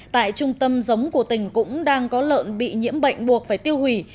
tại trung tâm giống của tỉnh cũng đang có lợn bị nhiễm bệnh buộc phải tiêu hủy